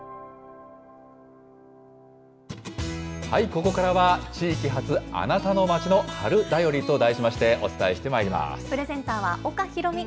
ここからは、地域発あなたの街の春だよりと題しましてお伝えプレゼンターは岡裕美